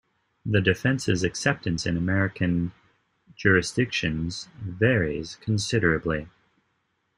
The defense's acceptance in American jurisdictions varies considerably.